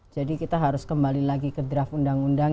jadi kita harus kembali lagi ke draft undang undang